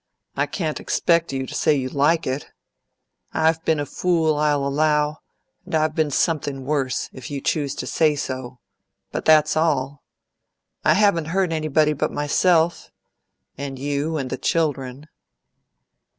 I can't expect you to say you like it. I've been a fool, I'll allow, and I've been something worse, if you choose to say so; but that's all. I haven't hurt anybody but myself and you and the children."